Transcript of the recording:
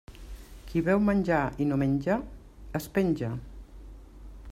Qui veu menjar i no menja, es penja.